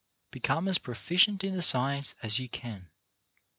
Become as pro ficient in the science as you can.